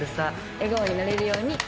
笑顔になれるように。